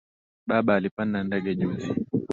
Baba alipanda ndege juzi